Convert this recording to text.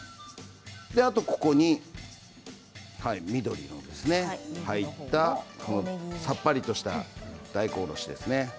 ここに、緑の大根おろしさっぱりとした大根おろしですね。